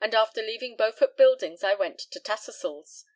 After leaving Beaufort Buildings I went to Tattersall's.